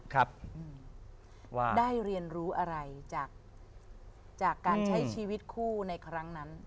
ครับว่าได้เรียนรู้อะไรจากการใช้ชีวิตคู่ในครั้งนั้น